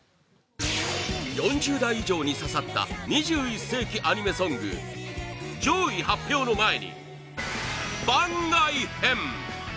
４０代以上に刺さった２１世紀アニメソング上位発表の前に番外編！